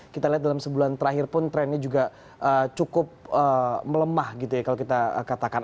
kita lihat dalam sebulan terakhir pun trennya juga cukup melemah gitu ya kalau kita katakan